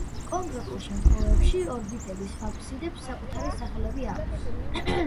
კონკრეტულ შემთხვევებში ორბიტების აფსიდებს საკუთარი სახელები აქვს.